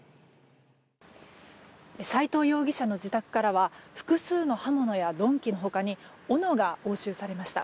斎藤容疑者の自宅からは複数の刃物や鈍器の他におのが押収されました。